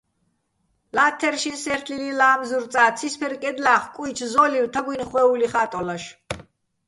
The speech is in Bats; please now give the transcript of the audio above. ლა́თთერ შინსე́რთლილიჼ ლა́მზურ წა, ცისბერ კედლა́ხ კუიჩო̆ ზო́ლივ თაგუჲნი̆ ხვე́ული ხა́ტოლაშ.